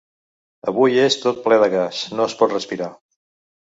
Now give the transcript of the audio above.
Avui és tot ple de gas, no es pot respirar.